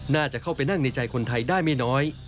น่าจะเข้าไปนั่งในใจคนไทยได้ไม่น้อย